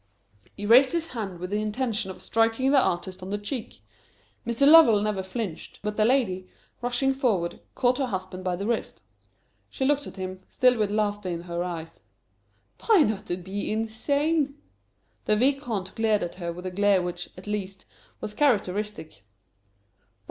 He raised his hand with the intention of striking the artist on the cheek. Mr. Lovell never flinched; but the lady, rushing forward, caught her husband by the wrist. She looked at him, still with laughter in her eyes. "Try not to be insane." The Vicomte glared at her with a glare which, at least, was characteristic.